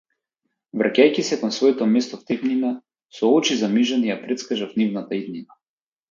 Враќајќи се кон своето место в темнина, со очи замижани ја претскажав нивната иднина.